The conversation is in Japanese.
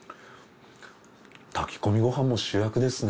炊き込みご飯も主役ですね。